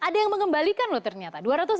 ada yang mengembalikan loh ternyata